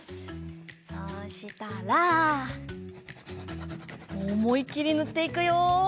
そうしたらおもいきりぬっていくよ！